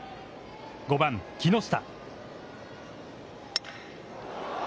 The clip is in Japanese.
５番木下。